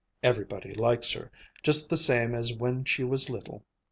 Everybody likes her, just the same as when she was little.